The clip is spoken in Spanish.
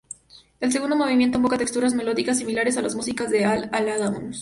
El segundo movimiento evoca texturas melódicas similares a la música de Al-Ándalus.